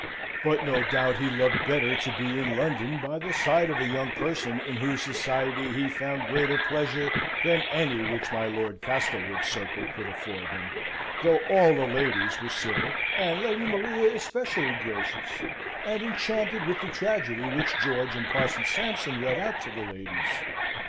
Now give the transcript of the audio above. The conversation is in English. But no doubt he loved better to be in London by the side of a young person in whose society he found greater pleasure than any which my Lord Castlewood's circle could afford him, though all the ladies were civil, and Lady Maria especially gracious, and enchanted with the tragedy which George and Parson Sampson read out to the ladies.